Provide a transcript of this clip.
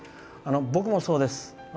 僕もそうです。